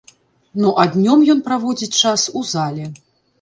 Ну а днём ён праводзіць час у зале.